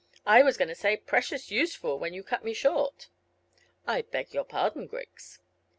I was going to say precious useful, when you cut me short." "I beg your pardon, Griggs."